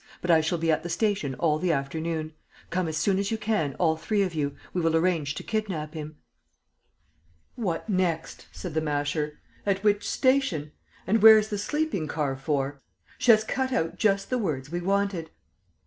But I shall be at the station all the afternoon. Come as soon as you can, all three of you. We will arrange to kidnap him." "What next?" said the Masher. "At which station? And where's the sleeping car for? She has cut out just the words we wanted!"